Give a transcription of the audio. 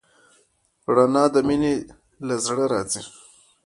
رڼا د مینې له زړه راځي.